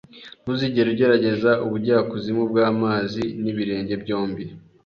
Ntuzigere ugerageza ubujyakuzimu bw'amazi n'ibirenge byombi.